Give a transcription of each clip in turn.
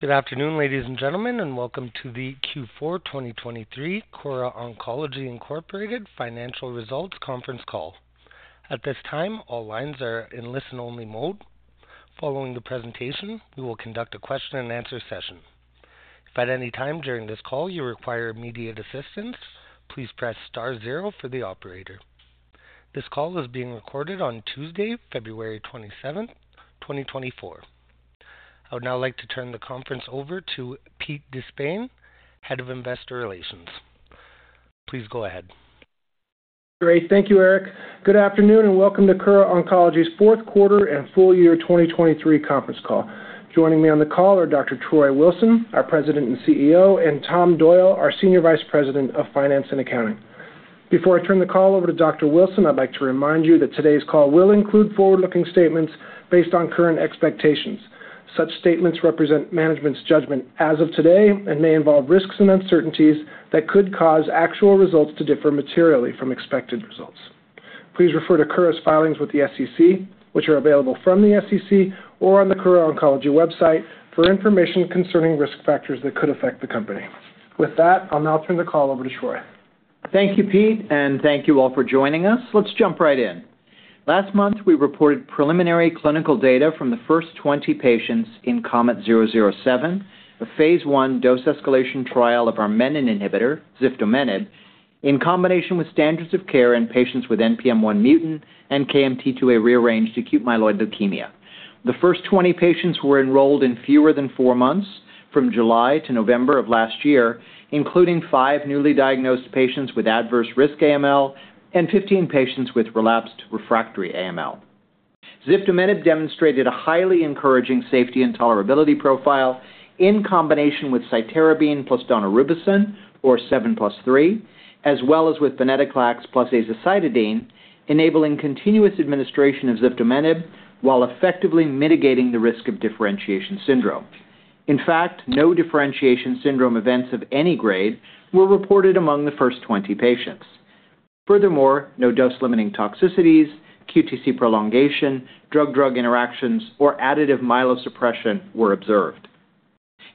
Good afternoon, ladies and gentlemen, and welcome to the Q4 2023 Kura Oncology Incorporated Financial Results Conference Call. At this time, all lines are in listen-only mode. Following the presentation, we will conduct a question-and-answer session. If at any time during this call you require immediate assistance, please press star zero for the operator. This call is being recorded on Tuesday, February 27th, 2024. I would now like to turn the conference over to Pete De Spain, Head of Investor Relations. Please go ahead. Great. Thank you, Eric. Good afternoon and welcome to Kura Oncology's Fourth Quarter and Full Year 2023 Conference Call. Joining me on the call are Dr. Troy Wilson, our President and CEO, and Tom Doyle, our Senior Vice President of Finance and Accounting. Before I turn the call over to Dr. Wilson, I'd like to remind you that today's call will include forward-looking statements based on current expectations. Such statements represent management's judgment as of today and may involve risks and uncertainties that could cause actual results to differ materially from expected results. Please refer to Kura's filings with the SEC, which are available from the SEC or on the Kura Oncology website, for information concerning risk factors that could affect the company. With that, I'll now turn the call over to Troy. Thank you, Pete, and thank you all for joining us. Let's jump right in. Last month, we reported preliminary clinical data from the first 20 patients in KOMET-007, the phase I dose escalation trial of our menin inhibitor, ziftomenib, in combination with standards of care in patients with NPM1-mutant and KMT2A-rearranged acute myeloid leukemia. The first 20 patients were enrolled in fewer than four months, from July to November of last year, including five newly diagnosed patients with adverse risk AML and 15 patients with relapsed refractory AML. Ziftomenib demonstrated a highly encouraging safety and tolerability profile in combination with cytarabine + daunorubicin, or 7+3, as well as with venetoclax + azacitidine, enabling continuous administration of ziftomenib while effectively mitigating the risk of differentiation syndrome. In fact, no differentiation syndrome events of any grade were reported among the first 20 patients. Furthermore, no dose-limiting toxicities, QTc prolongation, drug-drug interactions, or additive myelosuppression were observed.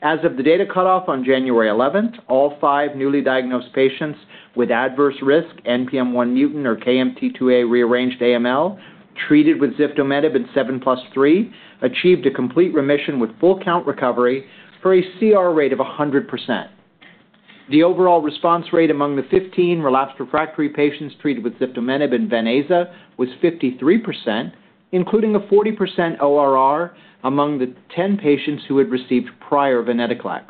As of the data cutoff on January 11th, all 5 newly diagnosed patients with adverse risk NPM1 mutant or KMT2A rearranged AML treated with ziftomenib and 7+3 achieved a complete remission with full-count recovery for a CR rate of 100%. The overall response rate among the 15 relapsed refractory patients treated with ziftomenib and VenAZA was 53%, including a 40% ORR among the 10 patients who had received prior venetoclax,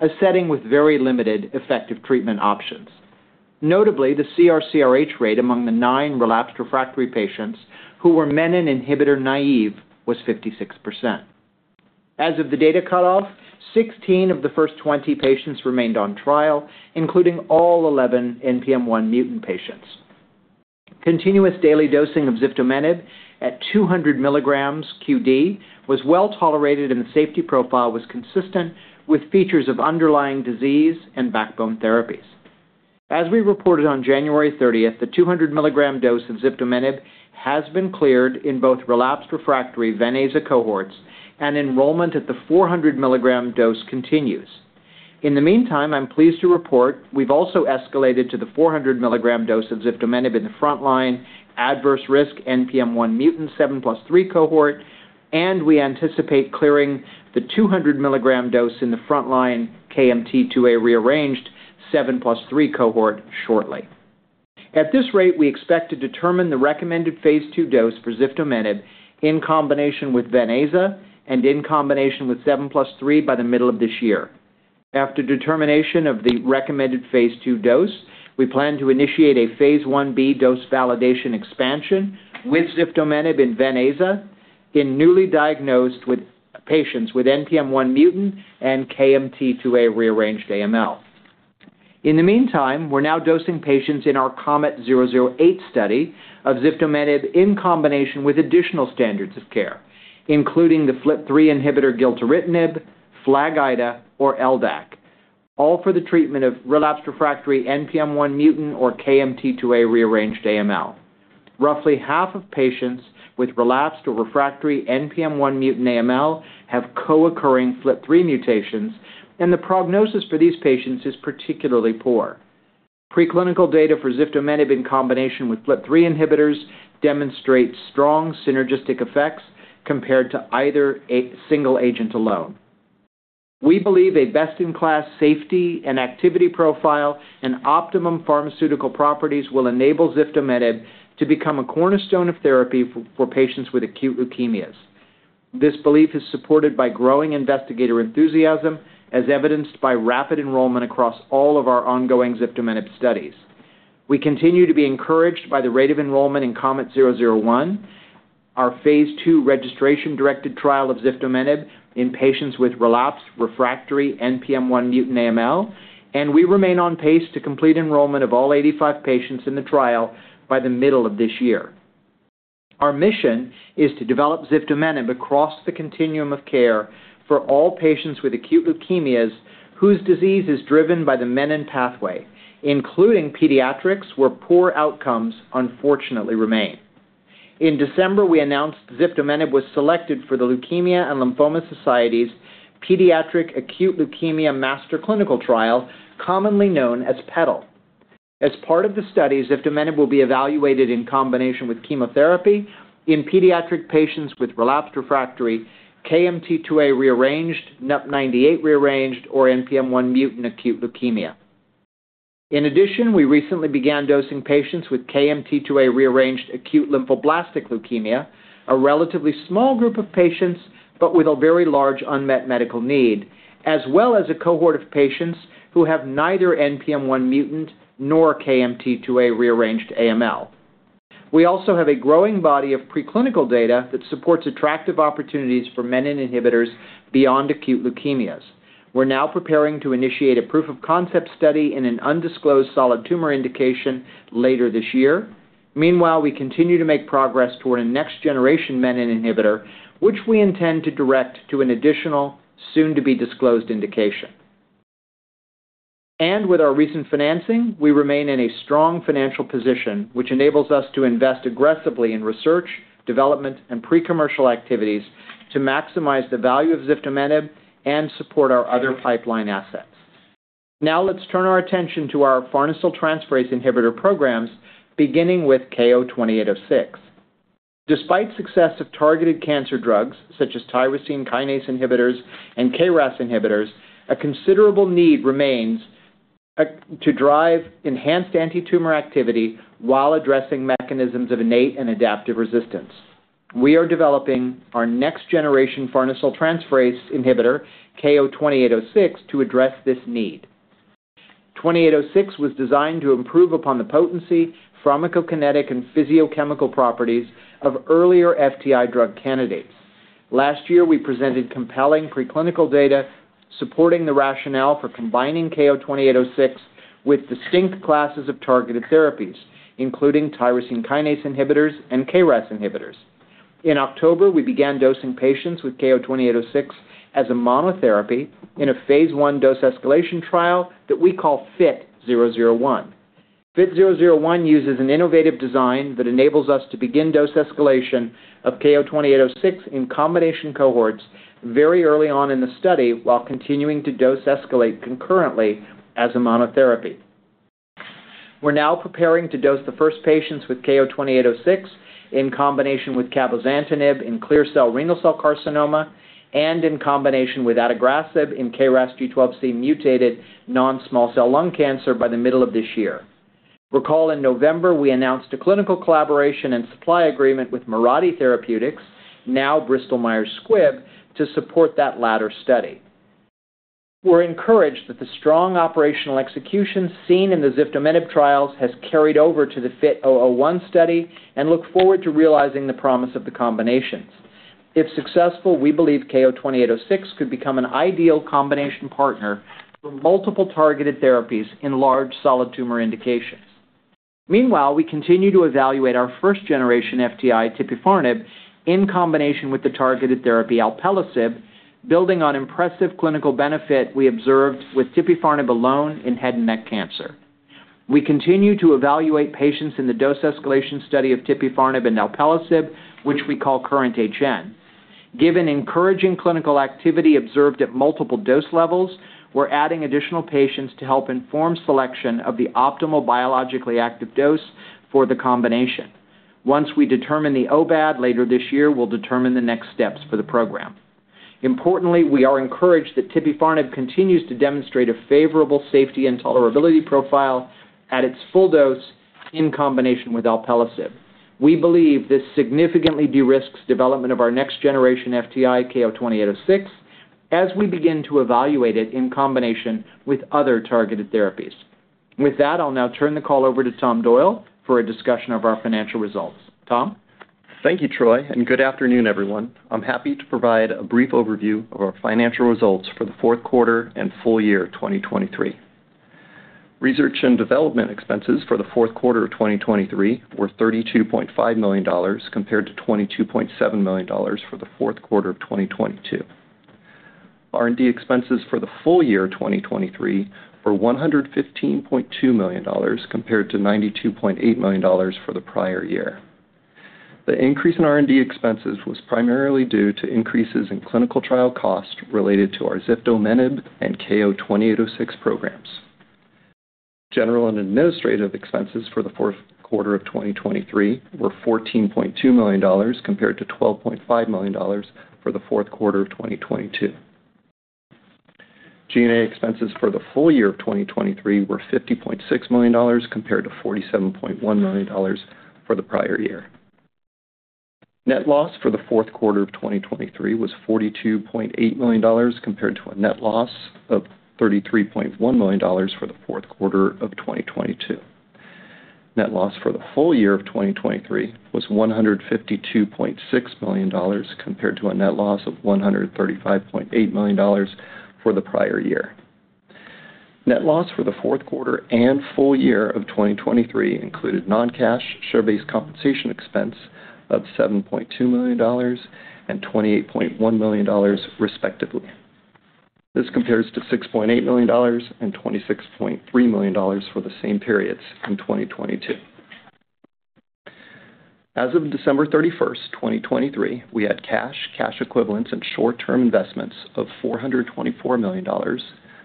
a setting with very limited effective treatment options. Notably, the CR/CRH rate among the 9 relapsed refractory patients who were menin inhibitor naïve was 56%. As of the data cutoff, 16 of the first 20 patients remained on trial, including all 11 NPM1 mutant patients. Continuous daily dosing of ziftomenib at 200 mg qd was well tolerated and the safety profile was consistent with features of underlying disease and backbone therapies. As we reported on January 30th, the 200 mg dose of ziftomenib has been cleared in both relapsed refractory VenAZA cohorts, and enrollment at the 400 mg dose continues. In the meantime, I'm pleased to report we've also escalated to the 400 mg dose of ziftomenib in the frontline adverse risk NPM1 mutant 7+3 cohort, and we anticipate clearing the 200 mg dose in the frontline KMT2A rearranged 7+3 cohort shortly. At this rate, we expect to determine the recommended phase II dose for ziftomenib in combination with VenAZA and in combination with 7+3 by the middle of this year. After determination of the recommended phase II dose, we plan to initiate a phase 1b dose validation expansion with ziftomenib and VenAZA in newly diagnosed patients with NPM1 mutant and KMT2A rearranged AML. In the meantime, we're now dosing patients in our KOMET-008 study of ziftomenib in combination with additional standards of care, including the FLT3 inhibitor gilteritinib, FLAG-IDA, or LDAC, all for the treatment of relapsed refractory NPM1-mutant or KMT2A-rearranged AML. Roughly half of patients with relapsed or refractory NPM1-mutant AML have co-occurring FLT3 mutations, and the prognosis for these patients is particularly poor. Preclinical data for ziftomenib in combination with FLT3 inhibitors demonstrates strong synergistic effects compared to either single agent alone. We believe a best-in-class safety and activity profile and optimum pharmaceutical properties will enable ziftomenib to become a cornerstone of therapy for patients with acute leukemias. This belief is supported by growing investigator enthusiasm, as evidenced by rapid enrollment across all of our ongoing ziftomenib studies. We continue to be encouraged by the rate of enrollment in KOMET-001, our Phase II registration-directed trial of ziftomenib in patients with relapsed refractory NPM1-mutant AML, and we remain on pace to complete enrollment of all 85 patients in the trial by the middle of this year. Our mission is to develop ziftomenib across the continuum of care for all patients with acute leukemias whose disease is driven by the menin pathway, including pediatrics, where poor outcomes, unfortunately, remain. In December, we announced ziftomenib was selected for the Leukemia & Lymphoma Society's Pediatric Acute Leukemia Master Clinical Trial, commonly known as PedAL. As part of the study, ziftomenib will be evaluated in combination with chemotherapy in pediatric patients with relapsed refractory KMT2A-rearranged, NUP98-rearranged, or NPM1-mutant acute leukemia. In addition, we recently began dosing patients with KMT2A rearranged acute lymphoblastic leukemia, a relatively small group of patients but with a very large unmet medical need, as well as a cohort of patients who have neither NPM1 mutant nor KMT2A rearranged AML. We also have a growing body of preclinical data that supports attractive opportunities for menin inhibitors beyond acute leukemias. We're now preparing to initiate a proof-of-concept study in an undisclosed solid tumor indication later this year. Meanwhile, we continue to make progress toward a next-generation menin inhibitor, which we intend to direct to an additional, soon-to-be-disclosed indication. With our recent financing, we remain in a strong financial position, which enables us to invest aggressively in research, development, and pre-commercial activities to maximize the value of ziftomenib and support our other pipeline assets. Now let's turn our attention to our farnesyl transferase inhibitor programs, beginning with KO-2806. Despite success of targeted cancer drugs such as tyrosine kinase inhibitors and KRAS inhibitors, a considerable need remains to drive enhanced antitumor activity while addressing mechanisms of innate and adaptive resistance. We are developing our next-generation farnesyl transferase inhibitor, KO-2806, to address this need. KO-2806 was designed to improve upon the potency, pharmacokinetic, and physicochemical properties of earlier FTI drug candidates. Last year, we presented compelling preclinical data supporting the rationale for combining KO-2806 with distinct classes of targeted therapies, including tyrosine kinase inhibitors and KRAS inhibitors. In October, we began dosing patients with KO-2806 as a monotherapy in a phase I dose escalation trial that we call FIT-001. FIT-001 uses an innovative design that enables us to begin dose escalation of KO-2806 in combination cohorts very early on in the study while continuing to dose escalate concurrently as a monotherapy. We're now preparing to dose the first patients with KO-2806 in combination with cabozantinib in clear cell renal cell carcinoma and in combination with adagrasib in KRAS G12C-mutated non-small cell lung cancer by the middle of this year. Recall, in November, we announced a clinical collaboration and supply agreement with Mirati Therapeutics, now Bristol-Myers Squibb, to support that latter study. We're encouraged that the strong operational execution seen in the ziftomenib trials has carried over to the FIT-001 study and look forward to realizing the promise of the combinations. If successful, we believe KO-2806 could become an ideal combination partner for multiple targeted therapies in large solid tumor indications. Meanwhile, we continue to evaluate our first-generation FTI, tipifarnib, in combination with the targeted therapy alpelisib, building on impressive clinical benefit we observed with tipifarnib alone in head and neck cancer. We continue to evaluate patients in the dose escalation study of tipifarnib and alpelisib, which we call KURRENT-HN. Given encouraging clinical activity observed at multiple dose levels, we're adding additional patients to help inform selection of the optimal biologically active dose for the combination. Once we determine the OBAD later this year, we'll determine the next steps for the program. Importantly, we are encouraged that tipifarnib continues to demonstrate a favorable safety and tolerability profile at its full dose in combination with alpelisib. We believe this significantly de-risks development of our next-generation FTI, KO-2806, as we begin to evaluate it in combination with other targeted therapies. With that, I'll now turn the call over to Tom Doyle for a discussion of our financial results. Tom? Thank you, Troy, and good afternoon, everyone. I'm happy to provide a brief overview of our financial results for the fourth quarter and full year 2023. Research and development expenses for the fourth quarter of 2023 were $32.5 million compared to $22.7 million for the fourth quarter of 2022. R&D expenses for the full year 2023 were $115.2 million compared to $92.8 million for the prior year. The increase in R&D expenses was primarily due to increases in clinical trial costs related to our ziftomenib and KO-2806 programs. General and administrative expenses for the fourth quarter of 2023 were $14.2 million compared to $12.5 million for the fourth quarter of 2022. G&A expenses for the full year of 2023 were $50.6 million compared to $47.1 million for the prior year. Net loss for the fourth quarter of 2023 was $42.8 million compared to a net loss of $33.1 million for the fourth quarter of 2022. Net loss for the full year of 2023 was $152.6 million compared to a net loss of $135.8 million for the prior year. Net loss for the fourth quarter and full year of 2023 included non-cash, share-based compensation expense of $7.2 million and $28.1 million, respectively. This compares to $6.8 million and $26.3 million for the same periods in 2022. As of December 31st, 2023, we had cash, cash equivalents, and short-term investments of $424 million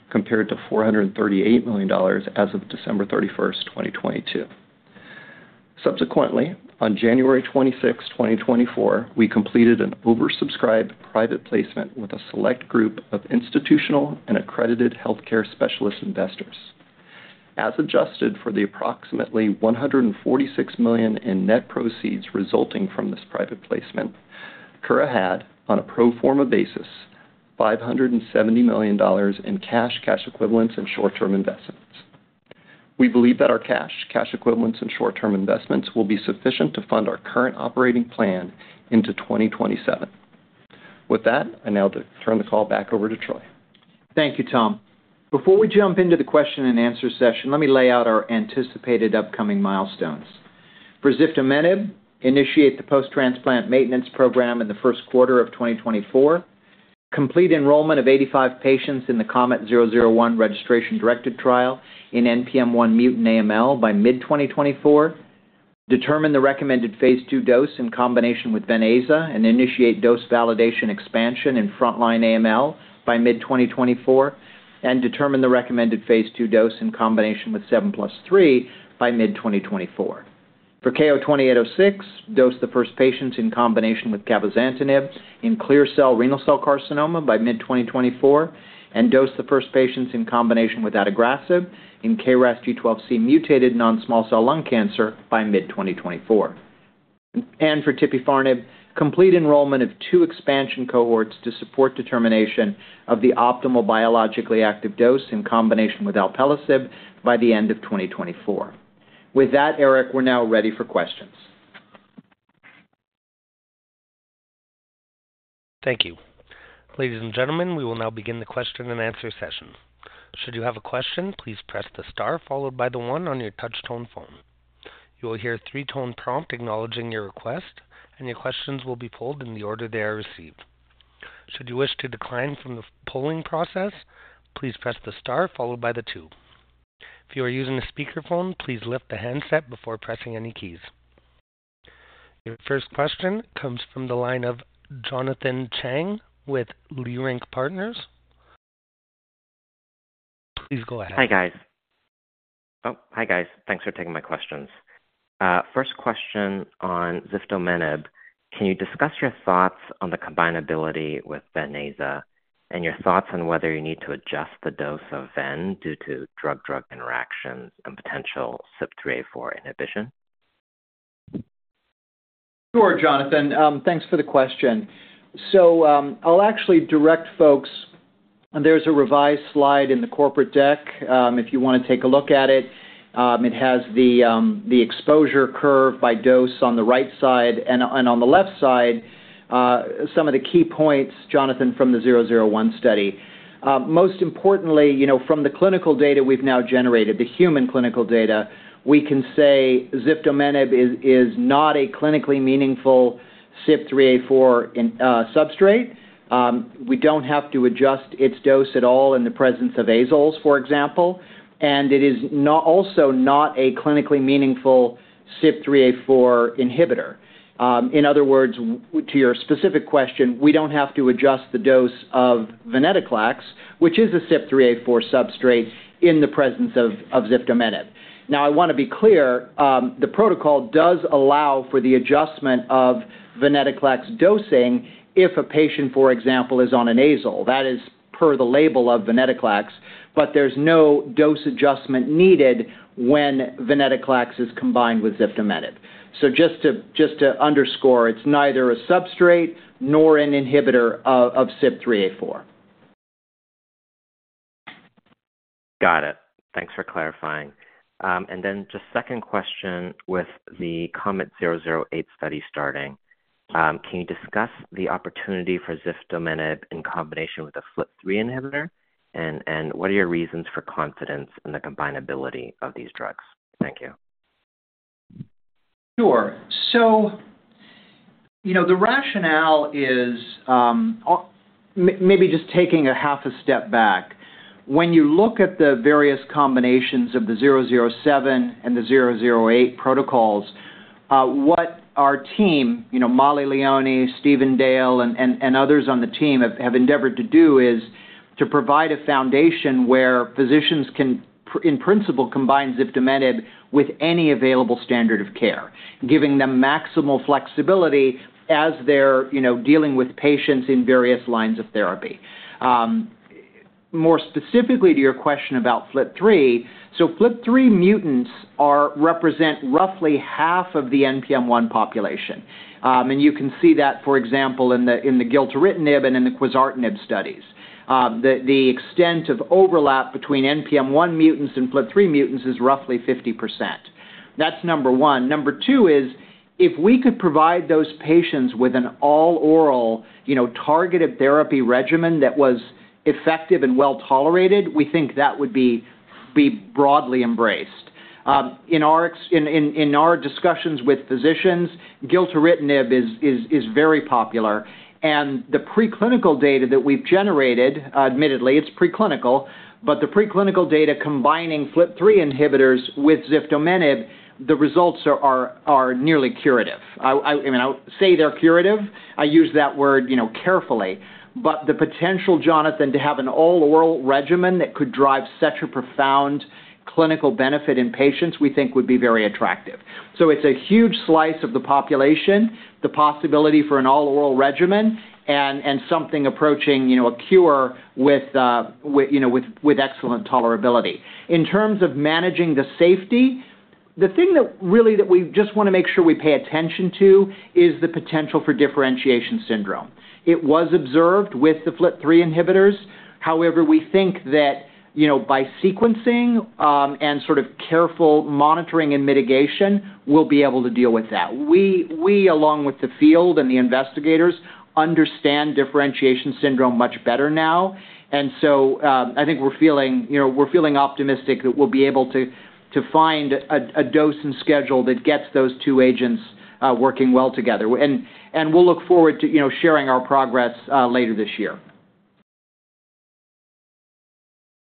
compared to $438 million as of December 31st, 2022. Subsequently, on January 26th, 2024, we completed an oversubscribed private placement with a select group of institutional and accredited healthcare specialist investors. As adjusted for the approximately $146 million in net proceeds resulting from this private placement, KURA had, on a pro forma basis, $570 million in cash, cash equivalents, and short-term investments. We believe that our cash, cash equivalents, and short-term investments will be sufficient to fund our current operating plan into 2027. With that, I now turn the call back over to Troy. Thank you, Tom. Before we jump into the question-and-answer session, let me lay out our anticipated upcoming milestones. For ziftomenib, initiate the post-transplant maintenance program in the first quarter of 2024, complete enrollment of 85 patients in the KOMET-001 registration-directed trial in NPM1-mutant AML by mid-2024, determine the recommended Phase II dose in combination with VenAZA, and initiate dose validation expansion in frontline AML by mid-2024, and determine the recommended Phase II dose in combination with 7+3 by mid-2024. For KO-2806, dose the first patients in combination with cabozantinib in clear cell renal cell carcinoma by mid-2024, and dose the first patients in combination with adagrasib in KRAS G12C mutated non-small cell lung cancer by mid-2024. For tipifarnib, complete enrollment of two expansion cohorts to support determination of the optimal biologically active dose in combination with alpelisib by the end of 2024. With that, Eric, we're now ready for questions. Thank you. Ladies and gentlemen, we will now begin the question-and-answer session. Should you have a question, please press the star followed by the 1 on your touch-tone phone. You will hear a three-tone prompt acknowledging your request, and your questions will be polled in the order they are received. Should you wish to decline from the polling process, please press the star followed by the 2. If you are using a speakerphone, please lift the handset before pressing any keys. Your first question comes from the line of Jonathan Chang with Leerink Partners. Please go ahead. Hi, guys. Oh, hi, guys. Thanks for taking my questions. First question on ziftomenib: can you discuss your thoughts on the combinability with VenAZA and your thoughts on whether you need to adjust the dose of Ven due to drug-drug interactions and potential CYP3A4 inhibition? Sure, Jonathan. Thanks for the question. So I'll actually direct folks there's a revised slide in the corporate deck if you want to take a look at it. It has the exposure curve by dose on the right side, and on the left side, some of the key points, Jonathan, from the 001 study. Most importantly, from the clinical data we've now generated, the human clinical data, we can say ziftomenib is not a clinically meaningful CYP3A4 substrate. We don't have to adjust its dose at all in the presence of azoles, for example, and it is also not a clinically meaningful CYP3A4 inhibitor. In other words, to your specific question, we don't have to adjust the dose of venetoclax, which is a CYP3A4 substrate, in the presence of ziftomenib. Now, I want to be clear, the protocol does allow for the adjustment of venetoclax dosing if a patient, for example, is on an azole. That is per the label of venetoclax, but there's no dose adjustment needed when venetoclax is combined with ziftomenib. So just to underscore, it's neither a substrate nor an inhibitor of CYP3A4. Got it. Thanks for clarifying. And then just second question with the KOMET-008 study starting: can you discuss the opportunity for ziftomenib in combination with a FLT3 inhibitor, and what are your reasons for confidence in the combinability of these drugs? Thank you. Sure. So the rationale is maybe just taking a half a step back. When you look at the various combinations of the 007 and the 008 protocols, what our team, Mollie Leoni, Stephen Dale, and others on the team have endeavored to do is to provide a foundation where physicians can, in principle, combine ziftomenib with any available standard of care, giving them maximal flexibility as they're dealing with patients in various lines of therapy. More specifically to your question about FLT3, so FLT3 mutants represent roughly half of the NPM1 population. And you can see that, for example, in the gilteritinib and in the quizartinib studies. The extent of overlap between NPM1 mutants and FLT3 mutants is roughly 50%. That's number one. Number two is, if we could provide those patients with an all-oral targeted therapy regimen that was effective and well-tolerated, we think that would be broadly embraced. In our discussions with physicians, gilteritinib is very popular, and the preclinical data that we've generated, admittedly, it's preclinical, but the preclinical data combining FLT3 inhibitors with ziftomenib, the results are nearly curative. I mean, I say they're curative. I use that word carefully. But the potential, Jonathan, to have an all-oral regimen that could drive such a profound clinical benefit in patients we think would be very attractive. So it's a huge slice of the population, the possibility for an all-oral regimen, and something approaching a cure with excellent tolerability. In terms of managing the safety, the thing really that we just want to make sure we pay attention to is the potential for differentiation syndrome. It was observed with the FLT3 inhibitors. However, we think that by sequencing and sort of careful monitoring and mitigation, we'll be able to deal with that. We, along with the field and the investigators, understand differentiation syndrome much better now, and so I think we're feeling optimistic that we'll be able to find a dose and schedule that gets those two agents working well together. And we'll look forward to sharing our progress later this year.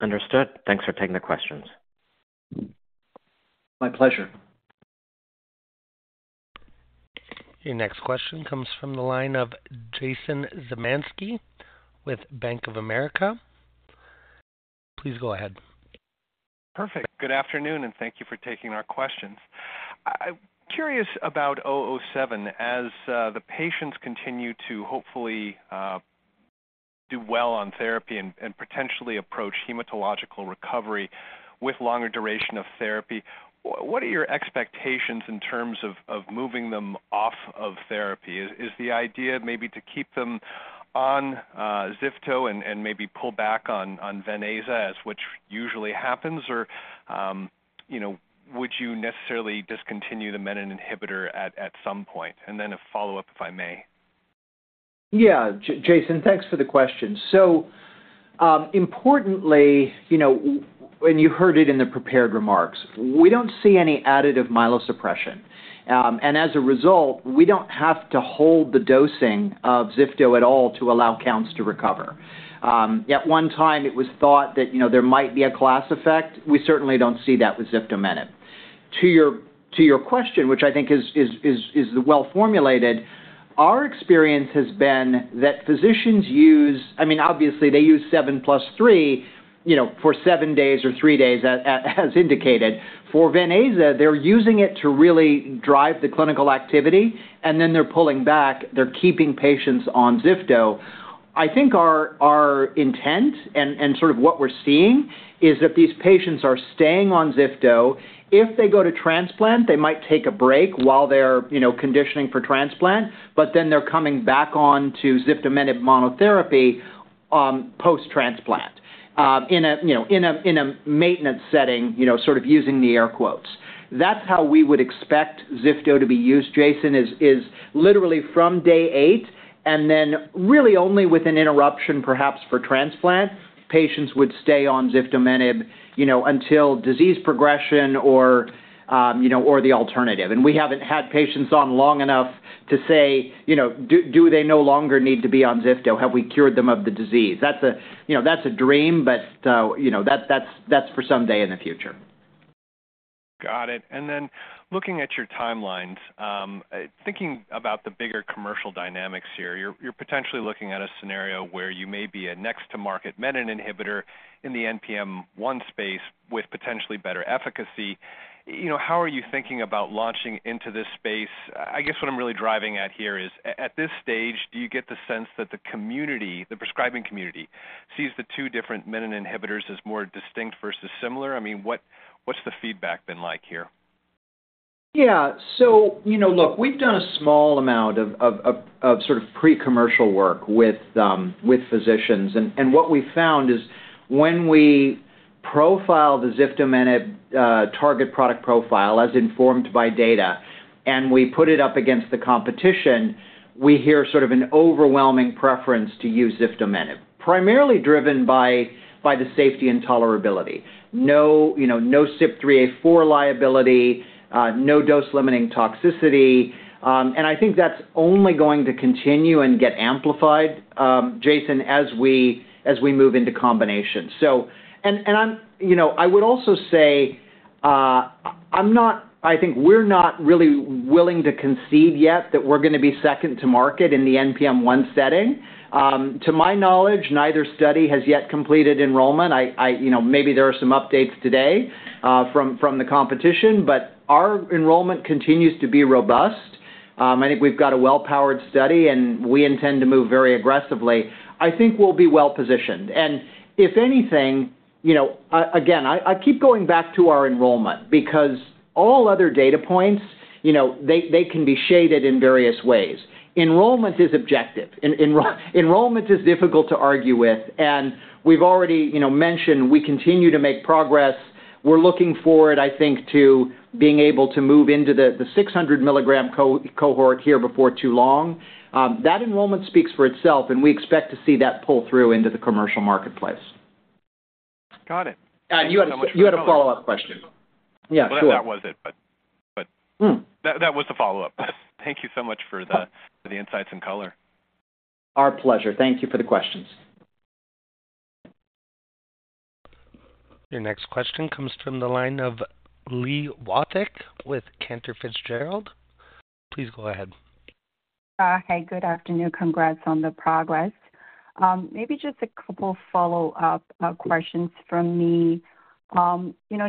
Understood. Thanks for taking the questions. My pleasure. Your next question comes from the line of Jason Zemansky with Bank of America. Please go ahead. Perfect. Good afternoon, and thank you for taking our questions. I'm curious about 007. As the patients continue to hopefully do well on therapy and potentially approach hematological recovery with longer duration of therapy, what are your expectations in terms of moving them off of therapy? Is the idea maybe to keep them on zifto and maybe pull back on VenAZA, as which usually happens, or would you necessarily discontinue the menin inhibitor at some point? And then a follow-up, if I may. Yeah, Jason, thanks for the question. So importantly, and you heard it in the prepared remarks, we don't see any additive myelosuppression. And as a result, we don't have to hold the dosing of zifto at all to allow counts to recover. At one time, it was thought that there might be a class effect. We certainly don't see that with ziftomenib. To your question, which I think is well-formulated, our experience has been that physicians use I mean, obviously, they use 7+3 for seven days or three days, as indicated. For VenAZA, they're using it to really drive the clinical activity, and then they're pulling back. They're keeping patients on zifto. I think our intent and sort of what we're seeing is that these patients are staying on zifto. If they go to transplant, they might take a break while they're conditioning for transplant, but then they're coming back onto ziftomenib monotherapy post-transplant in a maintenance setting, sort of using the air quotes. That's how we would expect zifto to be used, Jason, is literally from day eight, and then really only with an interruption, perhaps, for transplant, patients would stay on ziftomenib until disease progression or the alternative. And we haven't had patients on long enough to say, "Do they no longer need to be on zifto? Have we cured them of the disease?" That's a dream, but that's for someday in the future. Got it. And then looking at your timelines, thinking about the bigger commercial dynamics here, you're potentially looking at a scenario where you may be a next-to-market menin inhibitor in the NPM1 space with potentially better efficacy. How are you thinking about launching into this space? I guess what I'm really driving at here is, at this stage, do you get the sense that the prescribing community sees the two different menin inhibitors as more distinct versus similar? I mean, what's the feedback been like here? Yeah. So look, we've done a small amount of sort of pre-commercial work with physicians, and what we found is when we profile the ziftomenib target product profile, as informed by data, and we put it up against the competition, we hear sort of an overwhelming preference to use ziftomenib, primarily driven by the safety and tolerability. No CYP3A4 liability, no dose-limiting toxicity. And I think that's only going to continue and get amplified, Jason, as we move into combination. And I would also say I think we're not really willing to concede yet that we're going to be second-to-market in the NPM1 setting. To my knowledge, neither study has yet completed enrollment. Maybe there are some updates today from the competition, but our enrollment continues to be robust. I think we've got a well-powered study, and we intend to move very aggressively. I think we'll be well-positioned. If anything, again, I keep going back to our enrollment because all other data points, they can be shaded in various ways. Enrollment is objective. Enrollment is difficult to argue with, and we've already mentioned we continue to make progress. We're looking forward, I think, to being able to move into the 600-mg cohort here before too long. That enrollment speaks for itself, and we expect to see that pull through into the commercial marketplace. Got it. You had a follow-up question. Yeah, sure. Well, that was it, but that was the follow-up. Thank you so much for the insights and color. Our pleasure. Thank you for the questions. Your next question comes from the line of Li Watsek with Cantor Fitzgerald. Please go ahead. Hey, good afternoon. Congrats on the progress. Maybe just a couple follow-up questions from me.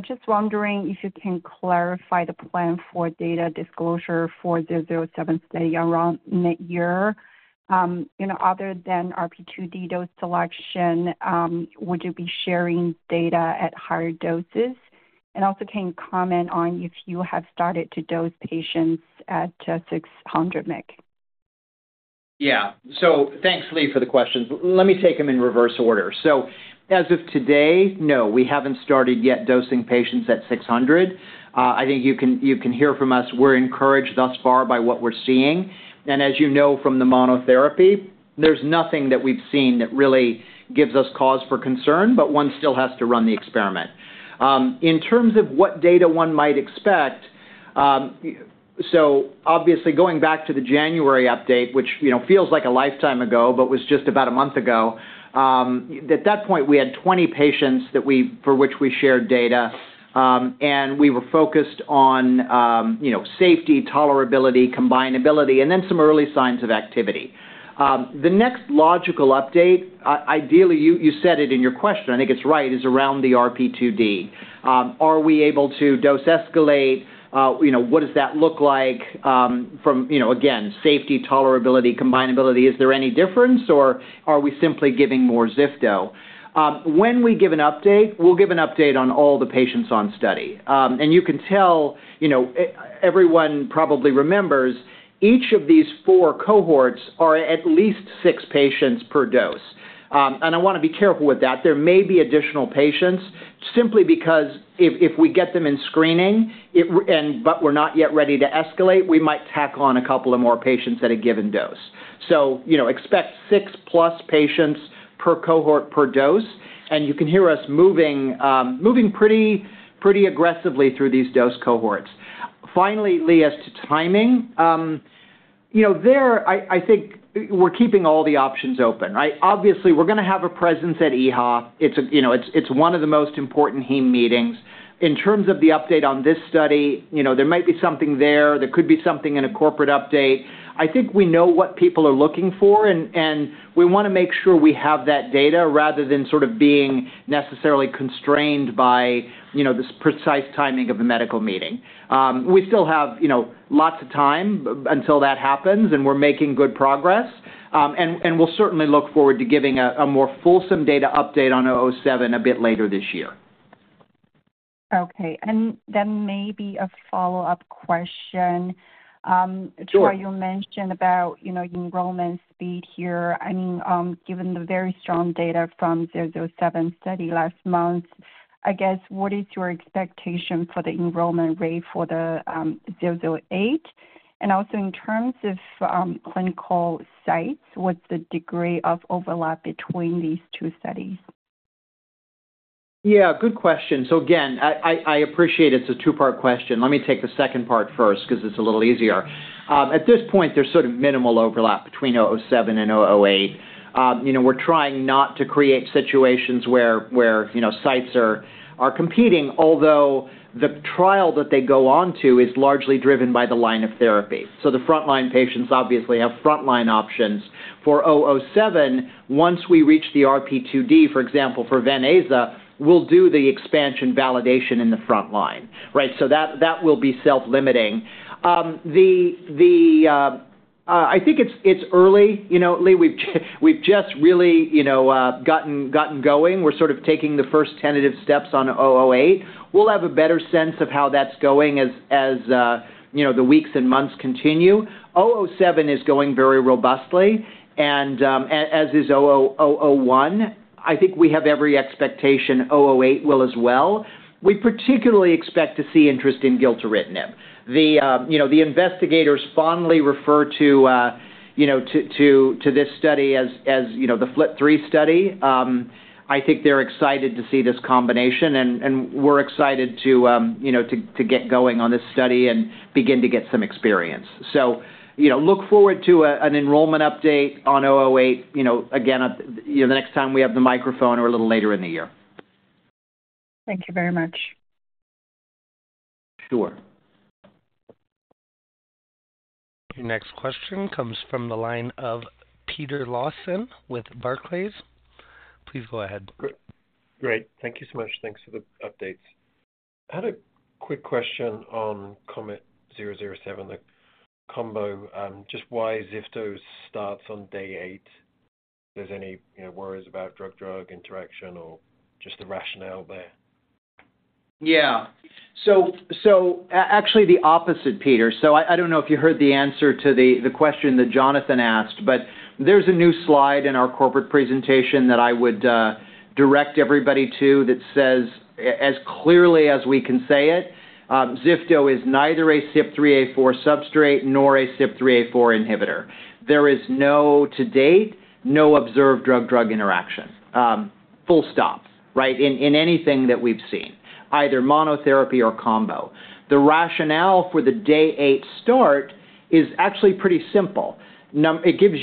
Just wondering if you can clarify the plan for data disclosure for the 007 study around mid-year. Other than RP2D dose selection, would you be sharing data at higher doses? And also, can you comment on if you have started to dose patients at 600 mcg? Yeah. So thanks, Li, for the questions. Let me take them in reverse order. So as of today, no, we haven't started yet dosing patients at 600. I think you can hear from us. We're encouraged thus far by what we're seeing. And as you know from the monotherapy, there's nothing that we've seen that really gives us cause for concern, but one still has to run the experiment. In terms of what data one might expect, so obviously, going back to the January update, which feels like a lifetime ago but was just about a month ago, at that point, we had 20 patients for which we shared data, and we were focused on safety, tolerability, combinability, and then some early signs of activity. The next logical update, ideally, you said it in your question. I think it's right, is around the RP2D. Are we able to dose escalate? What does that look like from, again, safety, tolerability, combinability? Is there any difference, or are we simply giving more zifto? When we give an update, we'll give an update on all the patients on study. And you can tell everyone probably remembers, each of these four cohorts are at least six patients per dose. And I want to be careful with that. There may be additional patients simply because if we get them in screening, but we're not yet ready to escalate, we might tack on a couple of more patients at a given dose. So expect 6+ patients per cohort per dose, and you can hear us moving pretty aggressively through these dose cohorts. Finally, Li, as to timing, there, I think we're keeping all the options open, right? Obviously, we're going to have a presence at EHA. It's one of the most important heme meetings. In terms of the update on this study, there might be something there. There could be something in a corporate update. I think we know what people are looking for, and we want to make sure we have that data rather than sort of being necessarily constrained by this precise timing of a medical meeting. We still have lots of time until that happens, and we're making good progress. And we'll certainly look forward to giving a more fulsome data update on 007 a bit later this year. Okay. And then maybe a follow-up question. Troy, you mentioned about enrollment speed here. I mean, given the very strong data from the 007 study last month, I guess, what is your expectation for the enrollment rate for the 008? And also, in terms of clinical sites, what's the degree of overlap between these two studies? Yeah, good question. So again, I appreciate it's a two-part question. Let me take the second part first because it's a little easier. At this point, there's sort of minimal overlap between 007 and 008. We're trying not to create situations where sites are competing, although the trial that they go onto is largely driven by the line of therapy. So the frontline patients obviously have frontline options. For 007, once we reach the RP2D, for example, for VenAZA, we'll do the expansion validation in the frontline, right? So that will be self-limiting. I think it's early, Li. We've just really gotten going. We're sort of taking the first tentative steps on 008. We'll have a better sense of how that's going as the weeks and months continue. 007 is going very robustly, and as is 001. I think we have every expectation 008 will as well. We particularly expect to see interest in gilteritinib. The investigators fondly refer to this study as the FLT3 study. I think they're excited to see this combination, and we're excited to get going on this study and begin to get some experience. So look forward to an enrollment update on 008, again, the next time we have the microphone or a little later in the year. Thank you very much. Sure. Your next question comes from the line of Peter Lawson with Barclays. Please go ahead. Great. Thank you so much. Thanks for the updates. I had a quick question on KOMET-007, the combo, just why zifto starts on day eight? If there's any worries about drug-drug interaction or just the rationale there. Yeah. So actually, the opposite, Peter. So I don't know if you heard the answer to the question that Jonathan asked, but there's a new slide in our corporate presentation that I would direct everybody to that says, as clearly as we can say it, zifto is neither a CYP3A4 substrate nor a CYP3A4 inhibitor. There is no, to date, no observed drug-drug interaction, full stop, right, in anything that we've seen, either monotherapy or combo. The rationale for the day eight start is actually pretty simple. It gives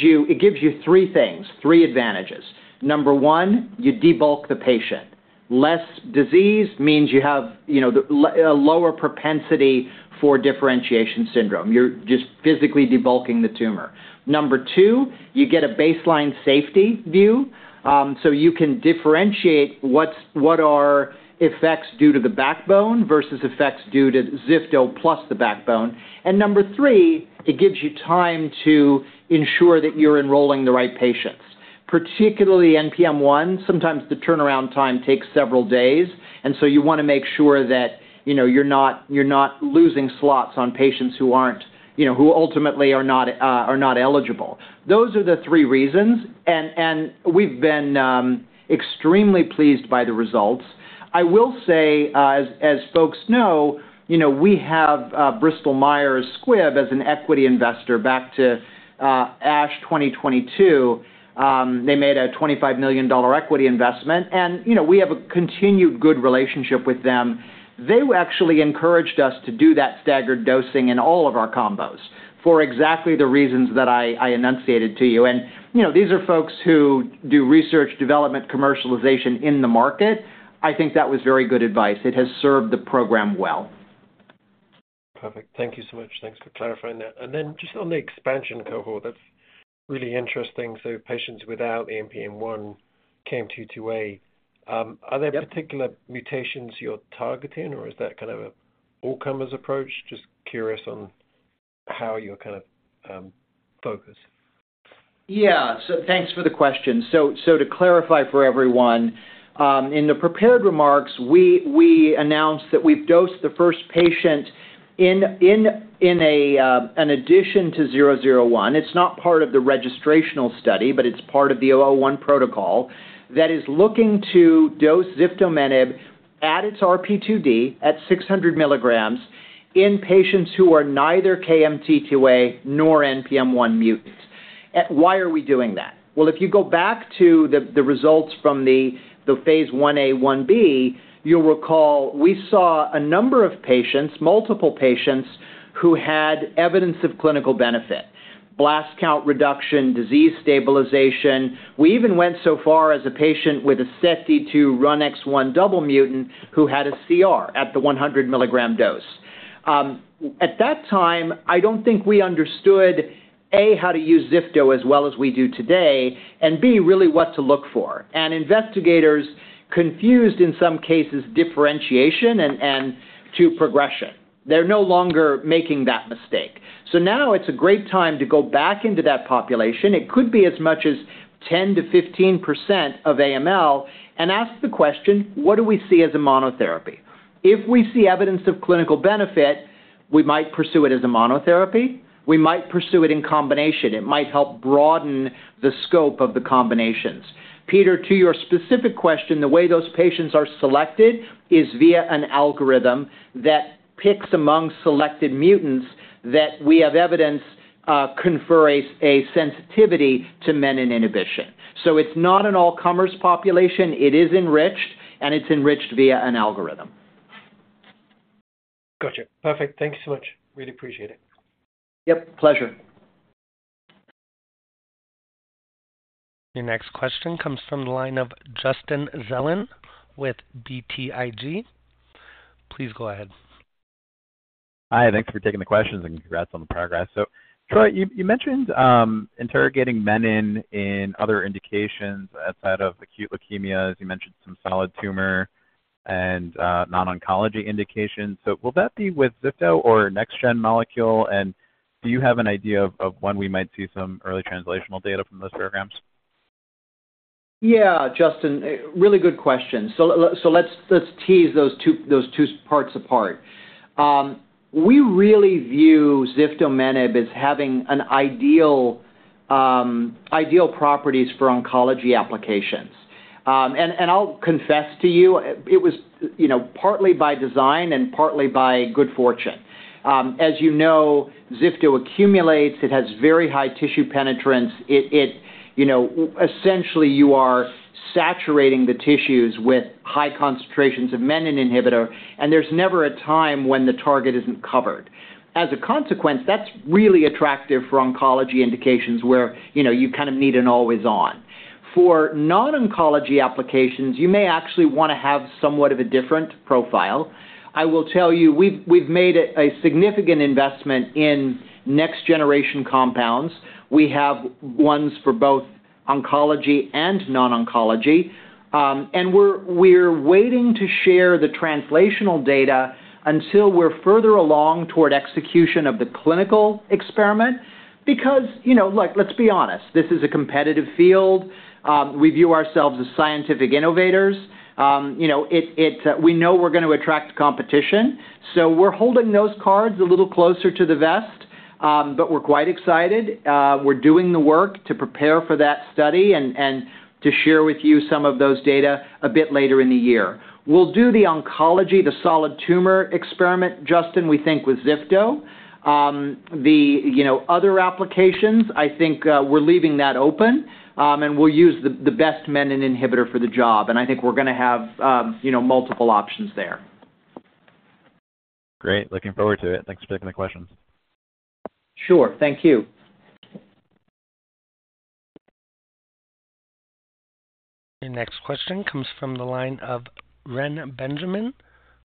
you three things, three advantages. Number one, you debulk the patient. Less disease means you have a lower propensity for differentiation syndrome. You're just physically debulking the tumor. Number two, you get a baseline safety view, so you can differentiate what are effects due to the backbone versus effects due to zifto plus the backbone. Number three, it gives you time to ensure that you're enrolling the right patients, particularly NPM1. Sometimes the turnaround time takes several days, and so you want to make sure that you're not losing slots on patients who ultimately are not eligible. Those are the three reasons, and we've been extremely pleased by the results. I will say, as folks know, we have Bristol-Myers Squibb as an equity investor as of 2022. They made a $25 million equity investment, and we have a continued good relationship with them. They actually encouraged us to do that staggered dosing in all of our combos for exactly the reasons that I enunciated to you. And these are folks who do research, development, commercialization in the market. I think that was very good advice. It has served the program well. Perfect. Thank you so much. Thanks for clarifying that. And then just on the expansion cohort, that's really interesting. So patients without the NPM1, KMT2A. Are there particular mutations you're targeting, or is that kind of an all-comers approach? Just curious on how you're kind of focused. Yeah. So thanks for the question. So to clarify for everyone, in the prepared remarks, we announced that we've dosed the first patient in an addition to 001. It's not part of the registrational study, but it's part of the 001 protocol that is looking to dose ziftomenib at its RP2D at 600 mg in patients who are neither KMT2A nor NPM1 mutants. Why are we doing that? Well, if you go back to the results from the phase 1a, 1b, you'll recall we saw a number of patients, multiple patients, who had evidence of clinical benefit, blast count reduction, disease stabilization. We even went so far as a patient with a SETD2 RUNX1 double mutant who had a CR at the 100 mg dose. At that time, I don't think we understood, A, how to use zifto as well as we do today, and B, really what to look for, and investigators confused in some cases differentiation and progression. They're no longer making that mistake. So now it's a great time to go back into that population. It could be as much as 10%-15% of AML and ask the question, "What do we see as a monotherapy?" If we see evidence of clinical benefit, we might pursue it as a monotherapy. We might pursue it in combination. It might help broaden the scope of the combinations. Peter, to your specific question, the way those patients are selected is via an algorithm that picks among selected mutants that we have evidence confers a sensitivity to menin inhibition. So it's not an all-comers population. It is enriched, and it's enriched via an algorithm. Gotcha. Perfect. Thank you so much. Really appreciate it. Yep, pleasure. Your next question comes from the line of Justin Zelin with BTIG. Please go ahead. Hi. Thanks for taking the questions and congrats on the progress. Troy, you mentioned interrogating menin in other indications outside of acute leukemias. You mentioned some solid tumor and non-oncology indications. Will that be with zifto or next-gen molecule? And do you have an idea of when we might see some early translational data from those programs? Yeah, Justin. Really good question. So let's tease those two parts apart. We really view ziftomenib as having ideal properties for oncology applications. And I'll confess to you, it was partly by design and partly by good fortune. As you know, zifto accumulates. It has very high tissue penetrance. Essentially, you are saturating the tissues with high concentrations of menin inhibitor, and there's never a time when the target isn't covered. As a consequence, that's really attractive for oncology indications where you kind of need an always-on. For non-oncology applications, you may actually want to have somewhat of a different profile. I will tell you, we've made a significant investment in next-generation compounds. We have ones for both oncology and non-oncology. And we're waiting to share the translational data until we're further along toward execution of the clinical experiment because, look, let's be honest, this is a competitive field. We view ourselves as scientific innovators. We know we're going to attract competition, so we're holding those cards a little closer to the vest, but we're quite excited. We're doing the work to prepare for that study and to share with you some of those data a bit later in the year. We'll do the oncology, the solid tumor experiment, Justin, we think, with zifto. The other applications, I think we're leaving that open, and we'll use the best menin inhibitor for the job. And I think we're going to have multiple options there. Great. Looking forward to it. Thanks for taking the questions. Sure. Thank you. Your next question comes from the line of Reni Benjamin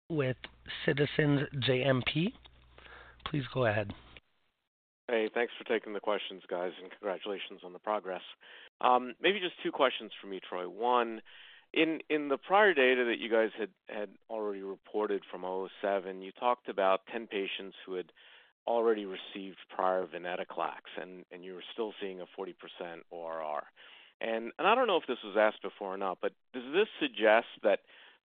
with Citizens JMP. Please go ahead. Hey. Thanks for taking the questions, guys, and congratulations on the progress. Maybe just two questions from you, Troy. One, in the prior data that you guys had already reported from 007, you talked about 10 patients who had already received prior venetoclax, and you were still seeing a 40% ORR. And I don't know if this was asked before or not, but does this suggest that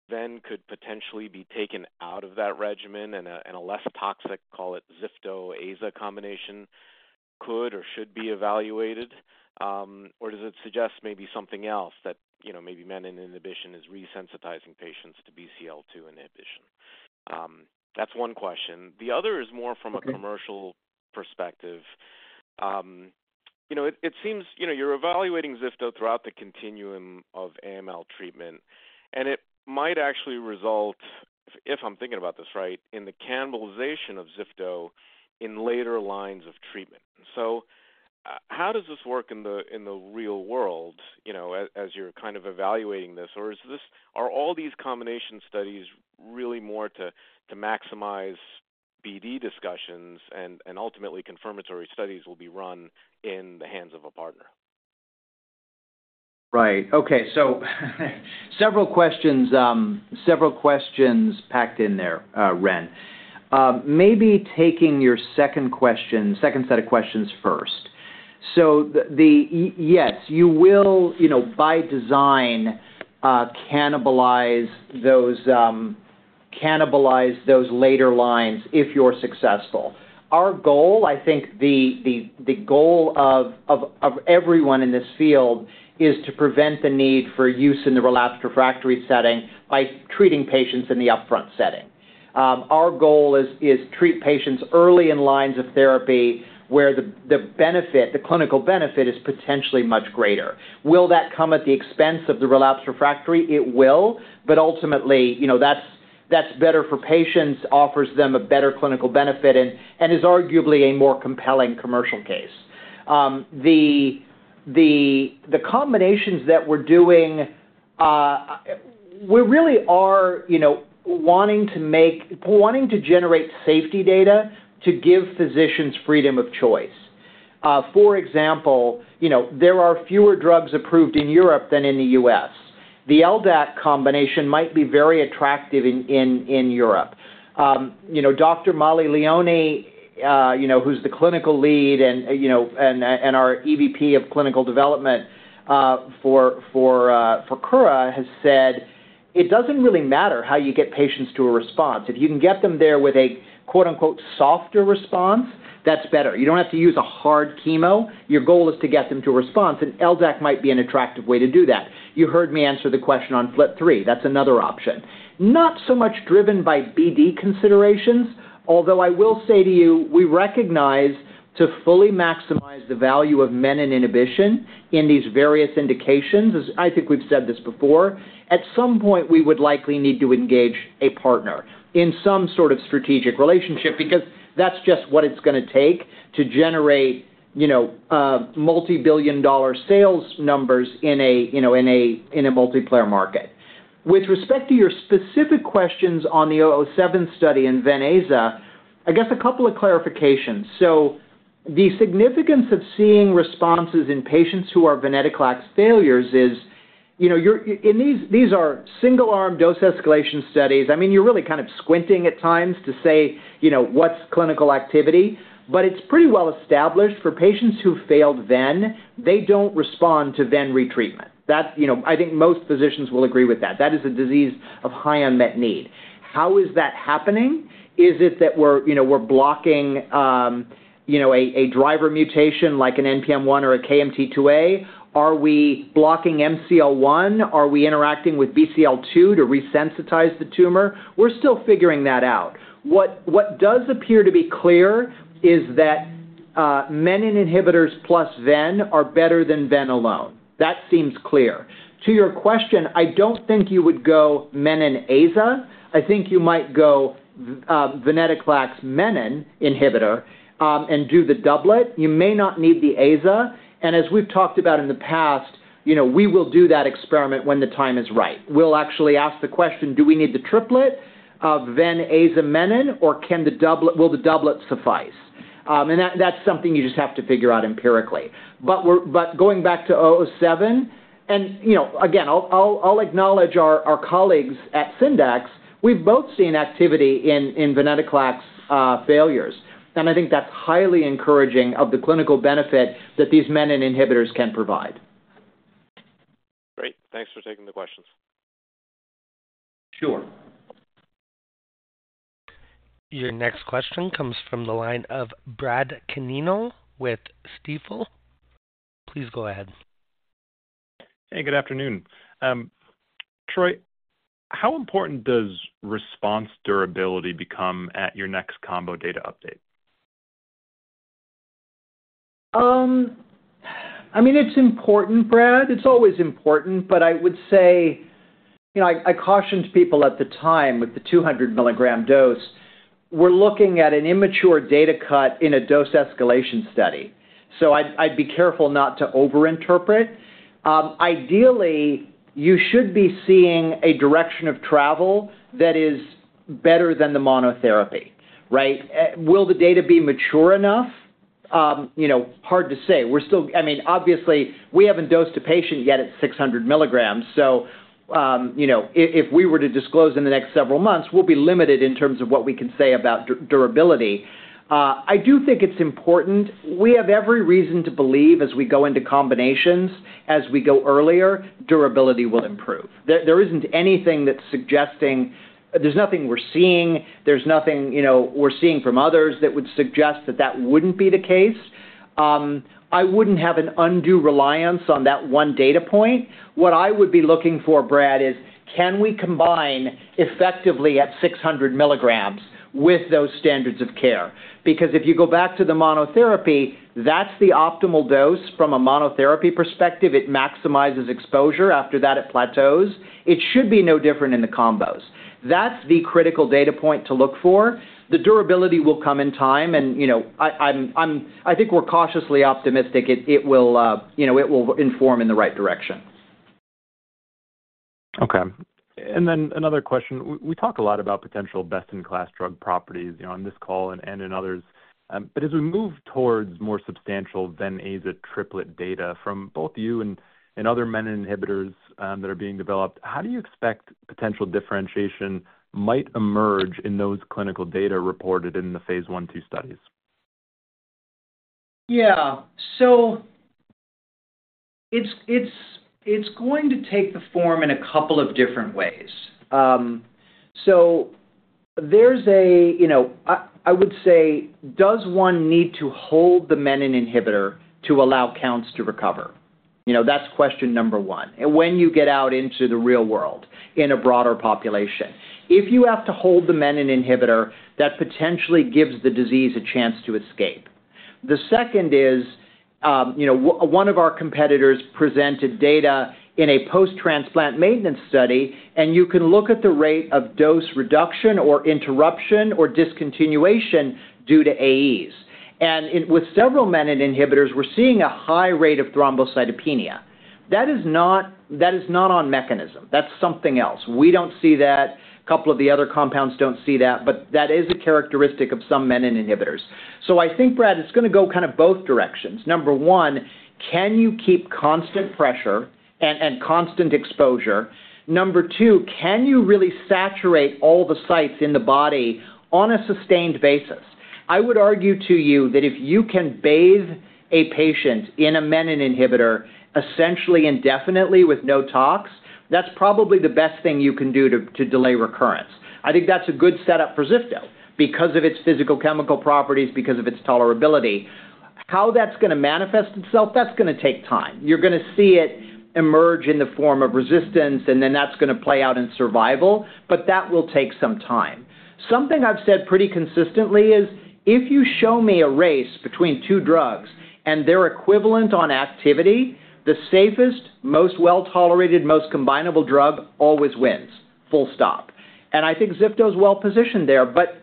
ven could potentially be taken out of that regimen, and a less toxic, call it zifto-AZA combination could or should be evaluated? Or does it suggest maybe something else, that maybe menin inhibition is resensitizing patients to BCL2 inhibition? That's one question. The other is more from a commercial perspective. It seems you're evaluating zifto throughout the continuum of AML treatment, and it might actually result, if I'm thinking about this right, in the cannibalization of zifto in later lines of treatment. So how does this work in the real world as you're kind of evaluating this? Or are all these combination studies really more to maximize BD discussions, and ultimately, confirmatory studies will be run in the hands of a partner? Right. Okay. So several questions packed in there, Reni. Maybe taking your second set of questions first. So yes, you will, by design, cannibalize those later lines if you're successful. Our goal, I think the goal of everyone in this field, is to prevent the need for use in the relapsed refractory setting by treating patients in the upfront setting. Our goal is to treat patients early in lines of therapy where the clinical benefit is potentially much greater. Will that come at the expense of the relapsed refractory? It will, but ultimately, that's better for patients, offers them a better clinical benefit, and is arguably a more compelling commercial case. The combinations that we're doing, we really are wanting to generate safety data to give physicians freedom of choice. For example, there are fewer drugs approved in Europe than in the U.S. The LDAC combination might be very attractive in Europe. Dr. Mollie Leoni, who's the clinical lead and our EVP of Clinical Development for Kura, has said, "It doesn't really matter how you get patients to a response. If you can get them there with a 'softer' response, that's better. You don't have to use a hard chemo. Your goal is to get them to a response, and LDAC might be an attractive way to do that." You heard me answer the question on FLT3. That's another option. Not so much driven by BD considerations, although I will say to you, we recognize to fully maximize the value of menin inhibition in these various indications, as I think we've said this before, at some point, we would likely need to engage a partner in some sort of strategic relationship because that's just what it's going to take to generate multibillion-dollar sales numbers in a multiplayer market. With respect to your specific questions on the 007 study and VenAZA, I guess a couple of clarifications. So the significance of seeing responses in patients who are venetoclax failures is in these are single-arm dose escalation studies. I mean, you're really kind of squinting at times to say what's clinical activity, but it's pretty well established for patients who failed ven, they don't respond to ven retreatment. I think most physicians will agree with that. That is a disease of high unmet need. How is that happening? Is it that we're blocking a driver mutation like an NPM1 or a KMT2A? Are we blocking MCL1? Are we interacting with BCL2 to resensitize the tumor? We're still figuring that out. What does appear to be clear is that menin inhibitors + ven are better than ven alone. That seems clear. To your question, I don't think you would go menin-AZA. I think you might go venetoclax menin inhibitor and do the doublet. You may not need the AZA. And as we've talked about in the past, we will do that experiment when the time is right. We'll actually ask the question, "Do we need the triplet of VenAZA menin, or will the doublet suffice?" And that's something you just have to figure out empirically. But going back to 007, and again, I'll acknowledge our colleagues at Syndax. We've both seen activity in venetoclax failures, and I think that's highly encouraging of the clinical benefit that these menin inhibitors can provide. Great. Thanks for taking the questions. Sure. Your next question comes from the line of Brad Canino with Stifel. Please go ahead. Hey. Good afternoon. Troy, how important does response durability become at your next combo data update? I mean, it's important, Brad. It's always important, but I would say I cautioned people at the time with the 200 mg dose. We're looking at an immature data cut in a dose escalation study, so I'd be careful not to overinterpret. Ideally, you should be seeing a direction of travel that is better than the monotherapy, right? Will the data be mature enough? Hard to say. I mean, obviously, we haven't dosed a patient yet at 600 mg, so if we were to disclose in the next several months, we'll be limited in terms of what we can say about durability. I do think it's important. We have every reason to believe, as we go into combinations, as we go earlier, durability will improve. There isn't anything that's suggesting there's nothing we're seeing. There's nothing we're seeing from others that would suggest that that wouldn't be the case. I wouldn't have an undue reliance on that one data point. What I would be looking for, Brad, is, "Can we combine effectively at 600 mg with those standards of care?" Because if you go back to the monotherapy, that's the optimal dose from a monotherapy perspective. It maximizes exposure. After that, it plateaus. It should be no different in the combos. That's the critical data point to look for. The durability will come in time, and I think we're cautiously optimistic it will inform in the right direction. Okay. And then another question. We talk a lot about potential best-in-class drug properties on this call and in others, but as we move towards more substantial VenAZA triplet data from both you and other menin inhibitors that are being developed, how do you expect potential differentiation might emerge in those clinical data reported in the phase I, II studies? Yeah. So it's going to take the form in a couple of different ways. So there's a, I would say, "Does one need to hold the menin inhibitor to allow counts to recover?" That's question number one when you get out into the real world in a broader population. If you have to hold the menin inhibitor, that potentially gives the disease a chance to escape. The second is one of our competitors presented data in a post-transplant maintenance study, and you can look at the rate of dose reduction or interruption or discontinuation due to AEs. And with several menin inhibitors, we're seeing a high rate of thrombocytopenia. That is not on mechanism. That's something else. We don't see that. A couple of the other compounds don't see that, but that is a characteristic of some menin inhibitors. So I think, Brad, it's going to go kind of both directions. Number one, can you keep constant pressure and constant exposure? Number two, can you really saturate all the sites in the body on a sustained basis? I would argue to you that if you can bathe a patient in a menin inhibitor essentially indefinitely with no tox, that's probably the best thing you can do to delay recurrence. I think that's a good setup for zifto because of its physicochemical properties, because of its tolerability. How that's going to manifest itself, that's going to take time. You're going to see it emerge in the form of resistance, and then that's going to play out in survival, but that will take some time. Something I've said pretty consistently is, "If you show me a race between two drugs and their equivalent on activity, the safest, most well-tolerated, most combinable drug always wins." Full stop. I think zifto is well-positioned there, but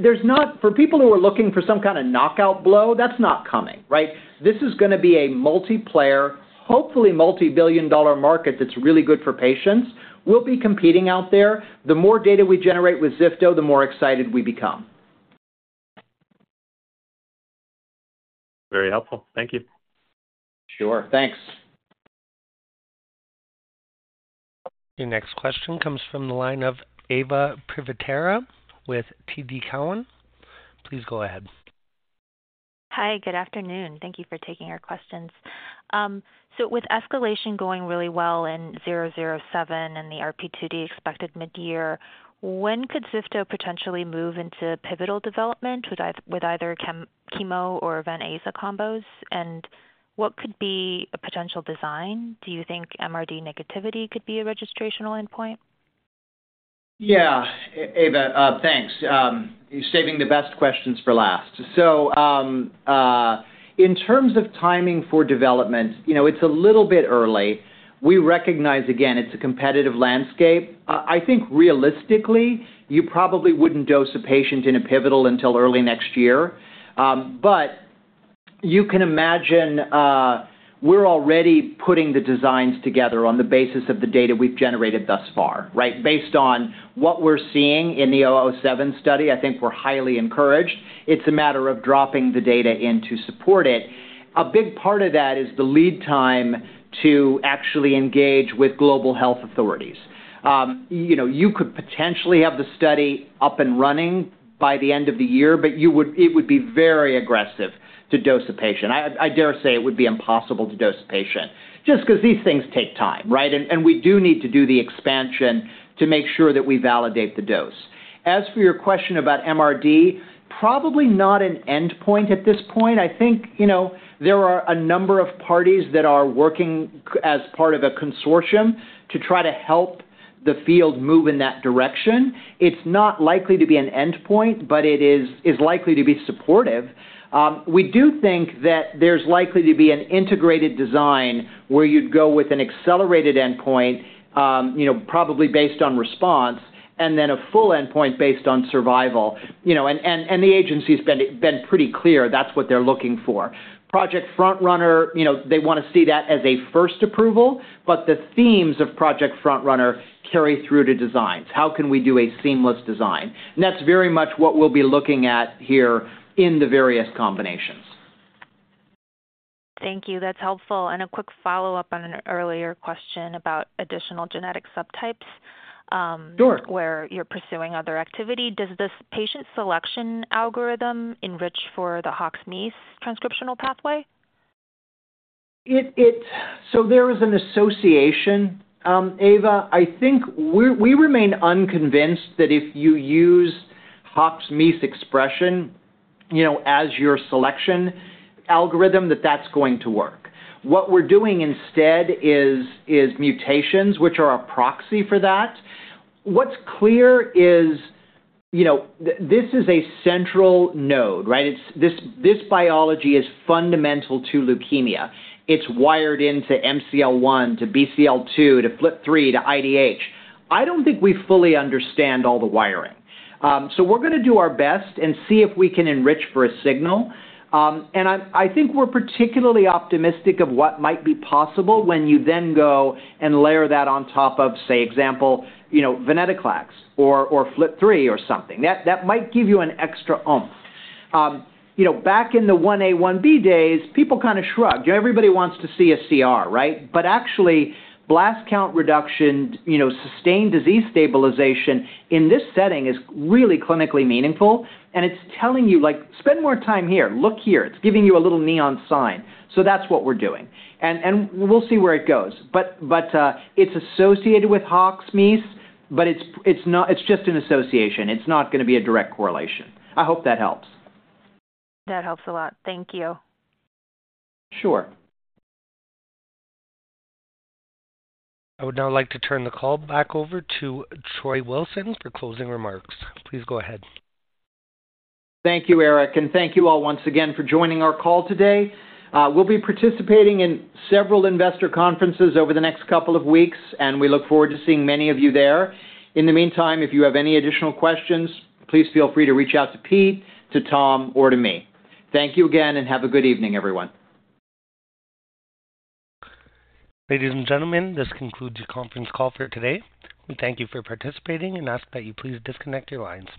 there's not for people who are looking for some kind of knockout blow, that's not coming, right? This is going to be a multiplayer, hopefully multibillion-dollar market that's really good for patients. We'll be competing out there. The more data we generate with zifto, the more excited we become. Very helpful. Thank you. Sure. Thanks. Your next question comes from the line of Eva Privitera with TD Cowen. Please go ahead. Hi. Good afternoon. Thank you for taking our questions. So with escalation going really well in 007 and the RP2D expected mid-year, when could zifto potentially move into pivotal development with either chemo or VenAZA combos? And what could be a potential design? Do you think MRD negativity could be a registrational endpoint? Yeah. Eva, thanks. Saving the best questions for last. So in terms of timing for development, it's a little bit early. We recognize, again, it's a competitive landscape. I think realistically, you probably wouldn't dose a patient in a pivotal until early next year, but you can imagine we're already putting the designs together on the basis of the data we've generated thus far, right? Based on what we're seeing in the 007 study, I think we're highly encouraged. It's a matter of dropping the data in to support it. A big part of that is the lead time to actually engage with global health authorities. You could potentially have the study up and running by the end of the year, but it would be very aggressive to dose a patient. I dare say it would be impossible to dose a patient just because these things take time, right? We do need to do the expansion to make sure that we validate the dose. As for your question about MRD, probably not an endpoint at this point. I think there are a number of parties that are working as part of a consortium to try to help the field move in that direction. It's not likely to be an endpoint, but it is likely to be supportive. We do think that there's likely to be an integrated design where you'd go with an accelerated endpoint, probably based on response, and then a full endpoint based on survival. And the agency's been pretty clear that's what they're looking for. Project FrontRunner, they want to see that as a first approval, but the themes of Project FrontRunner carry through to designs. How can we do a seamless design? That's very much what we'll be looking at here in the various combinations. Thank you. That's helpful. A quick follow-up on an earlier question about additional genetic subtypes where you're pursuing other activity. Does this patient selection algorithm enrich for the HOX-MEIS transcriptional pathway? So there is an association, Eva. I think we remain unconvinced that if you use HOX/MEIS expression as your selection algorithm, that that's going to work. What we're doing instead is mutations, which are a proxy for that. What's clear is this is a central node, right? This biology is fundamental to leukemia. It's wired into MCL1, to BCL2, to FLT3, to IDH. I don't think we fully understand all the wiring. So we're going to do our best and see if we can enrich for a signal. And I think we're particularly optimistic of what might be possible when you then go and layer that on top of, say, example, venetoclax or FLT3 or something. That might give you an extra oomph. Back in the 1A/1B days, people kind of shrugged. Everybody wants to see a CR, right? But actually, blast count reduction, sustained disease stabilization in this setting is really clinically meaningful, and it's telling you, "Spend more time here. Look here." It's giving you a little neon sign. So that's what we're doing, and we'll see where it goes. But it's associated with HOXA9/MEIS1, but it's just an association. It's not going to be a direct correlation. I hope that helps. That helps a lot. Thank you. Sure. I would now like to turn the call back over to Troy Wilson for closing remarks. Please go ahead. Thank you, Eric, and thank you all once again for joining our call today. We'll be participating in several investor conferences over the next couple of weeks, and we look forward to seeing many of you there. In the meantime, if you have any additional questions, please feel free to reach out to Pete, to Tom, or to me. Thank you again, and have a good evening, everyone. Ladies and gentlemen, this concludes the conference call for today. We thank you for participating and ask that you please disconnect your lines.